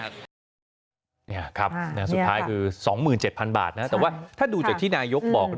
นี่ครับสุดท้ายคือ๒๗๐๐บาทนะแต่ว่าถ้าดูจากที่นายกบอก